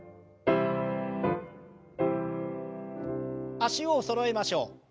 脚をそろえましょう。